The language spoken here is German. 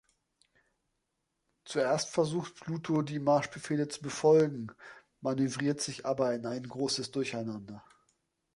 Zuerst versucht Pluto, die Marschbefehle zu befolgen, manövriert sich aber in ein großes Durcheinander.